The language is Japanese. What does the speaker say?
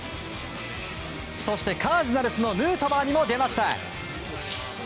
そして、カージナルスのヌートバーにも出ました。